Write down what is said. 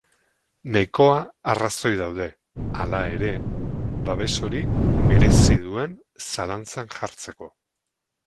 Nahikoa arrazoi daude, hala ere, babes hori merezi duen zalantzan jartzeko.